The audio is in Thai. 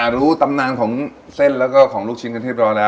รู้ตำนานของเส้นและของลูกชิ้นที่ได้พอแล้ว